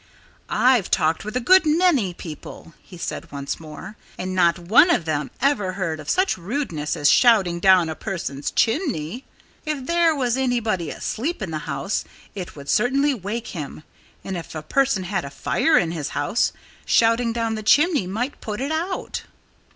"I've talked with a good many people," he said once more, "and not one of them ever heard of such rudeness as shouting down a person's chimney. If there was anybody asleep in the house, it would certainly wake him; and if a person had a fire in his house, shouting down the chimney might put it out."